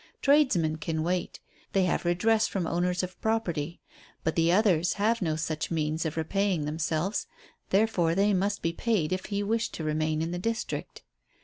Tradesmen can wait, they have redress from owners of property, but the others have no such means of repaying themselves, therefore they must be paid if he wished to remain in the district.